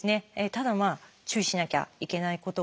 ただ注意しなきゃいけないことがですね